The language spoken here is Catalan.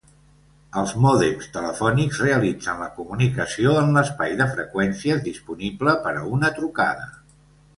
Els mòdems telefònics realitzen la comunicació en l'espai de freqüències disponible per a una trucada.